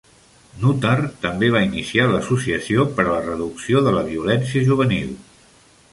Nutter també va iniciar l'Associació per a la Reducció de la Violència Juvenil.